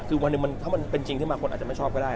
คือถ้ามันเป็นจริงที่บางคนอาจจะไม่ชอบก็ได้